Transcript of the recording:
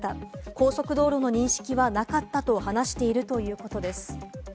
高速道路の認識はなかったと話しているということです。